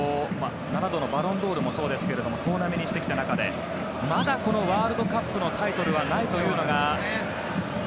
７度のバロンドールもそうですが総なめにしてきた中でまだワールドカップのタイトルはないというのが。